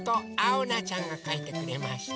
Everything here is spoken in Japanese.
おなちゃんがかいてくれました。